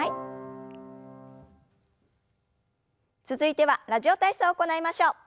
続いては「ラジオ体操」を行いましょう。